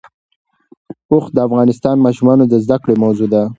اوښ د افغان ماشومانو د زده کړې موضوع ده.